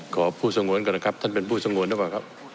ขอผู้สงวนก่อนนะครับท่านเป็นผู้สงวนหรือเปล่าครับ